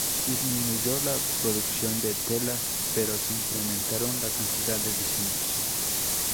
Disminuyó la producción de telas pero se incrementaron la cantidad de diseños.